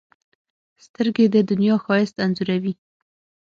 سترګې د دنیا ښایست انځوروي